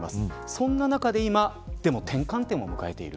その中で今転換点を迎えている。